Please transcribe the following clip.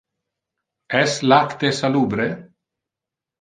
Es lacte salubre?